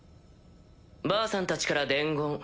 ばあさんたちから伝言。